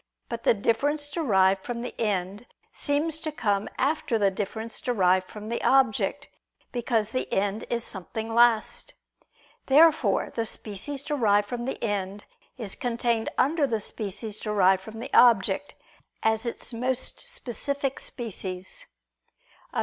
But the difference derived from the end seems to come after the difference derived from the object: because the end is something last. Therefore the species derived from the end, is contained under the species derived from the object, as its most specific species. Obj.